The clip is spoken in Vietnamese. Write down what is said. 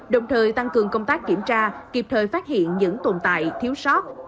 đồng thời tăng cường công tác kiểm tra kịp thời phát hiện những tồn tại thiếu sót